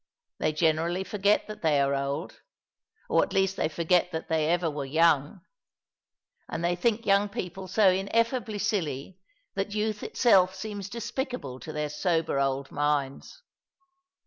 They gene rally forget that they are old; or at least they forget that they ever were young, and they think young people so in effably silly that youth itself seems despicable to their sober old minds.